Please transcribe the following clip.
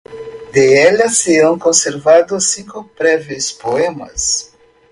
De ella se han conservado cinco breves poemas.